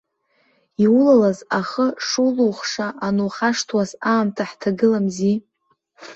Иулалаз ахы шулухша анухашҭуаз аамҭа ҳҭагыламзи!